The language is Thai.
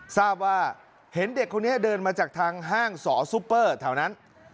ทราบว่าเห็นเด็กคนนี้เดินมาจากทางห้างสอซุปเปอร์แถวนั้น